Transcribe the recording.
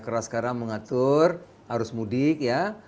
keras sekarang mengatur harus mudik